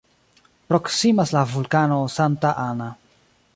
Proksimas la vulkano "Santa Ana".